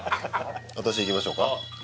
私いきましょうか？